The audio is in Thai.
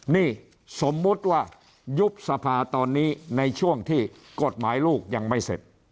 นี่สมมุติว่ายุบสภาตอนนี้ในช่วงที่กฎหมายลูกยังไม่เสร็จ